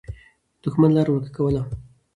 دښمن لاره ورکه کوله.